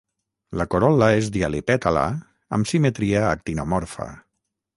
La corol·la és dialipètala amb simetria actinomorfa.